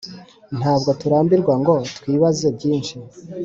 Ntabwo turambirwa ngo twibaze byinshi